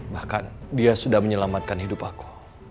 bahkan dia sudah menyelamatkan hidup aku